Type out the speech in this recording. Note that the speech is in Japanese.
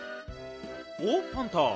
おっパンタ。